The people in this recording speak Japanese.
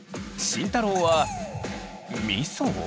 慎太郎はみそ？